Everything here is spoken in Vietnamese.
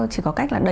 chỉ có cách là